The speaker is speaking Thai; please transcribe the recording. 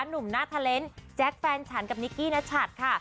หนุ่มหน้าเทอร์เลนส์แจ๊คแฟนฉันกับนิกกี้นัชัดค่ะ